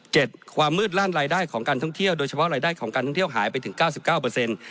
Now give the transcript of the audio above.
ความมืดลั่นรายได้ของการท่องเที่ยวโดยเฉพาะรายได้ของการท่องเที่ยวหายไปถึงเก้าสิบเก้าเปอร์เซ็นต์